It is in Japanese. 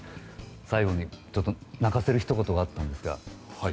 最後に泣かせるひと言があったんですが。